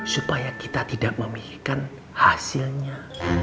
supaya kita tidak memikirkan hasilnya